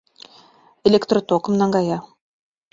электротокым наҥгая.